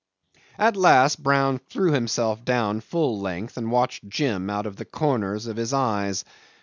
'At last Brown threw himself down full length and watched Jim out of the corners of his eyes.